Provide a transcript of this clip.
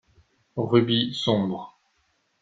Rubis sombre.